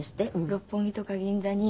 六本木とかに銀座に。